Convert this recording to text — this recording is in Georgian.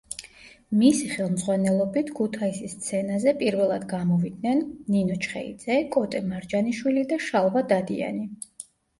მისი ხელმძღვანელობით ქუთაისის სცენაზე პირველად გამოვიდნენ: ნინო ჩხეიძე, კოტე მარჯანიშვილი და შალვა დადიანი.